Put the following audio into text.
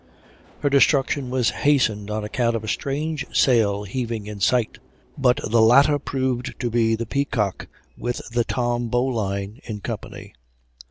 Her destruction was hastened on account of a strange sail heaving in sight; but the latter proved to be the Peacock, with the Tom Bowline in company.